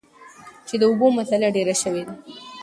چې د اوبو مسله ډېره شوي ده ـ